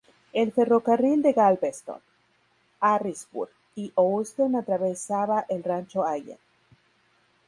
El ferrocarril de Galveston, Harrisburg y Houston atravesaba el Rancho Allen.